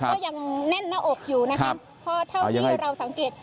ก็ยังแน่นหน้าอกอยู่นะคะเพราะเท่าที่เราสังเกต